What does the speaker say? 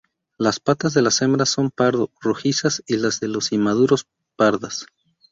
Las patas de las hembras son pardo rojizas, y la de los inmaduros, pardas.